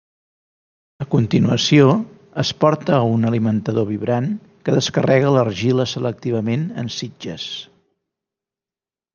A continuació, es porta a un alimentador vibrant que descarrega l'argila selectivament en sitges.